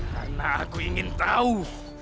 karena aku ingin tahu